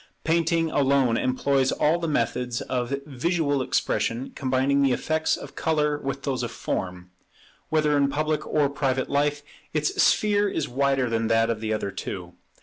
Painting alone employs all the methods of visual expression, combining the effects of colour with those of form. Whether in public or private life, its sphere is wider than that of the other two.